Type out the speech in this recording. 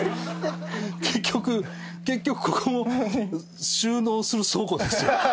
結局結局ここも収納する倉庫ですよ。